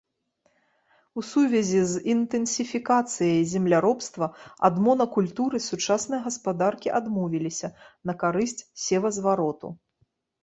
У сувязі з інтэнсіфікацыяй земляробства ад монакультуры сучасныя гаспадаркі адмовіліся на карысць севазвароту.